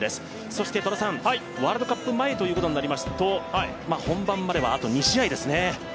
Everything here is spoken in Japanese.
そして、ワールドカップ前ということになりますと本番まではあと２試合ですね。